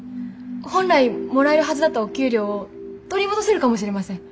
本来もらえるはずだったお給料を取り戻せるかもしれません。